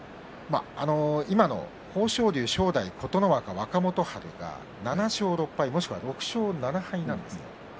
今の豊昇龍、正代、琴ノ若若元春が７勝６敗同士では６勝７敗なんです。